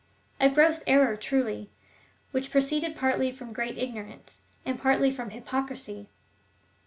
^ A gross error truly, which proceeded partly from great ignorance, and partly from hypocrisy